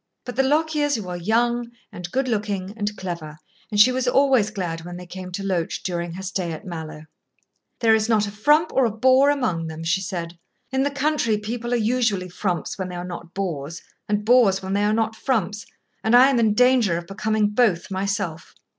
But the Lockyers were young and good looking and clever, and she was always glad when they came to Loche during her stay at Mallowe. "There is not a frump or a bore among them," she said. "In the country people are usually frumps when they are not bores, and bores when they are not frumps, and I am in danger of becoming both myself.